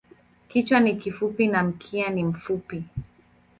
Kichwa ni kifupi na mkia ni mfupi.